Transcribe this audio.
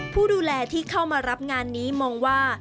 ผู้ดูแลที่เข้ามารับงานนี้มองว่า